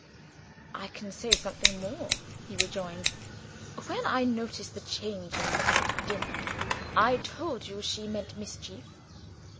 "I can say something more," he rejoined. "When I noticed the change in her at dinner, I told you she meant mischief.